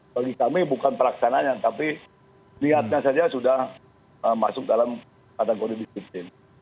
bagi kami bukan terlaksananya tapi niatnya saja sudah masuk dalam kata kode bipin